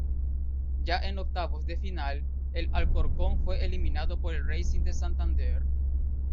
Ya en octavos de final, el Alcorcón fue eliminado por el Racing de Santander.